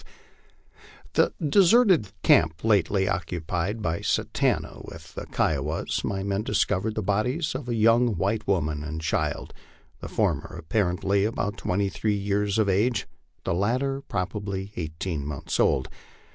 In the deserted camp, lately occupied by Satanta with the Kiowas, my men discovered the bodies of a young white woman and child, the former apparently about twenty three years of age, the latter probably eighteen months old.